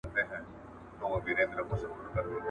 • دا ئې اختر د چا کره ولاړ سو.